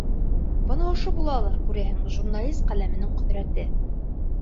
Бына ошо булалыр, күрәһең, журналист ҡәләменең ҡөҙрәте.